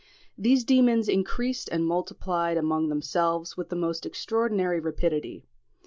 These demons "increased and multiplied" among themselves with the most extraordinary rapidity.